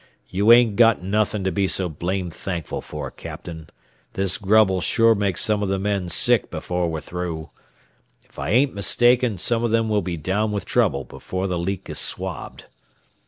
"You ain't got nothin' to be so blamed thankful for, captain. This grub'll sure make some of the men sick before we're through. If I ain't mistaken, some of them will be down with trouble before the leak is swabbed."